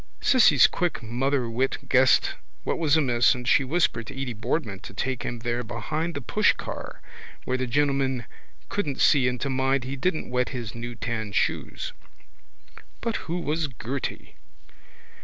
Cissy's quick motherwit guessed what was amiss and she whispered to Edy Boardman to take him there behind the pushcar where the gentleman couldn't see and to mind he didn't wet his new tan shoes. But who was Gerty?